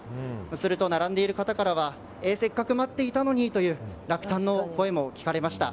すると、並んでいる方からはせっかく待っていたのにという落胆の声も聞かれました。